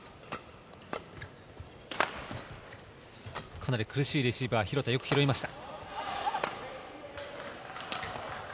かなり苦しいレシーブは廣田、よく拾いました。